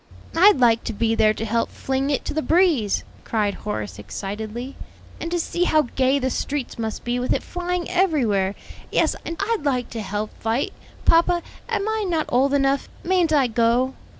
"I'd like to be there to help fling it to the breeze," cried Horace excitedly; "and to see how gay the streets must be with it flying everywhere. Yes, and I'd like to help fight. Papa, am I not old enough? mayn't I go?"